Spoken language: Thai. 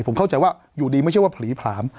ผมเข้าใจว่าอยู่ดีไม่ใช่ว่าผลีผลาม